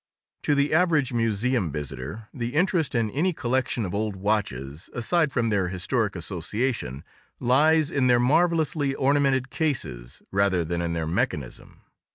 To the average museum visitor, the interest in any collection of old watches, aside from their historic association, lies in their marvelously ornamented cases rather than in their mechanism.